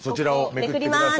めくります。